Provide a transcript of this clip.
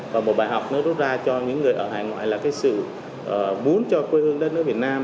và một bài học nó rút ra cho những người ở hải ngoại là cái sự muốn cho quê hương đất nước việt nam